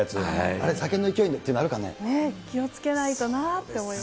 あれ、酒の勢いってあるか気をつけないとなと思います。